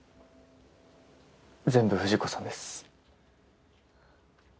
全部藤子さんです。